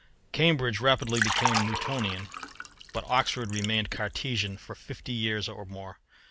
Cambridge rapidly became Newtonian, but Oxford remained Cartesian for fifty years or more.